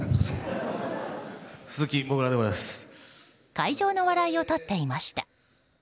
会場の笑いを取っていました。